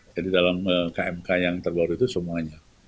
jadi dalam kmk yang terbaru itu semuanya